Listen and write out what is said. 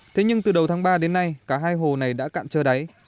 thế nhưng từ đầu tháng ba đến nay cả hai hồ này đã cạn trơ đáy